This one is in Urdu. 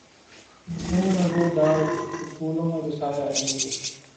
ہوں میں وہ داغ کہ پھولوں میں بسایا ہے مجھے